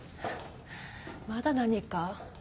まだ何か？